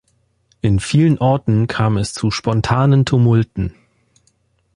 In vielen Orten kam es zu spontanen Tumulten.